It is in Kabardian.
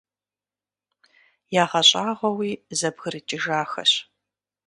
ЯгъэщӀагъуэуи зэбгрыкӀыжахэщ.